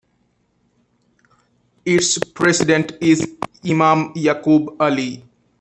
Its president is Imam Yacoob Ali.